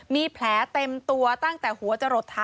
มีแผลเต็มตัวตั้งแต่หัวจะหลดเท้า